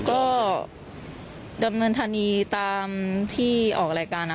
แต่ก็ดำเนินทะนีตามที่ออกรายการอะค่ะ